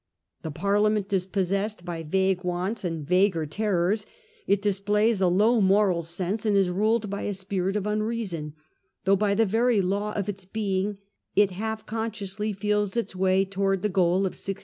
The Parliament is possessed by vague wants and vaguer terrors ; it displays a low moral sense vii Preface. and is ruled by a spirit of unreason, though by the very law of its being it half unconsciously feels its way towards the goal of 1689.